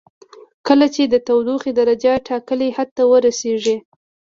کله چې د تودوخې درجه ټاکلي حد ته ورسیږي.